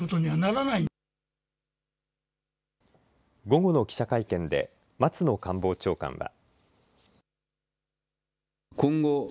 午後の記者会見で松野官房長官は。